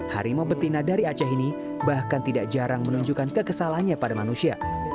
harimau betina dari aceh ini bahkan tidak jarang menunjukkan kekesalannya pada manusia